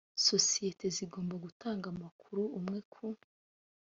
sosiyete zigomba gutanga amakuru amwe ku